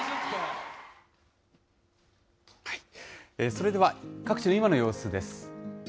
それでは、各地の今の様子です。